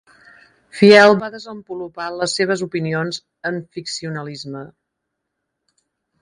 Field va desenvolupar les seves opinions en ficcionalisme.